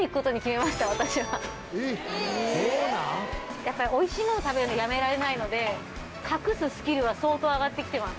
やっぱり美味しいもの食べるのやめられないので隠すスキルは相当上がってきてます。